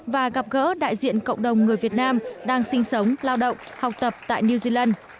và gặp gỡ đại diện cộng đồng người việt nam đang sinh sống lao động học tập tại new zealand